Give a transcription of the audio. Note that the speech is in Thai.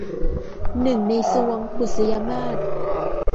หนึ่งในทรวง - บุษยมาส